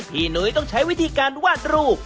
หนุ้ยต้องใช้วิธีการวาดรูป